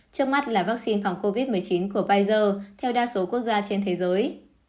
trước mắt là vaccine phòng covid một mươi chín của pfizer theo đa số quốc gia trên thế giới